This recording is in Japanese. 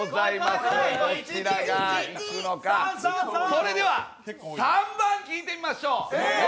それでは３番聴いてみましょう。